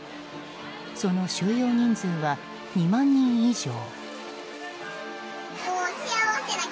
その収容人数は２万人以上。